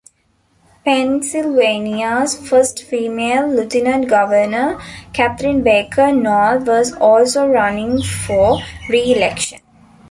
Pennsylvania's first female Lieutenant Governor, Catherine Baker Knoll was also running for re-election.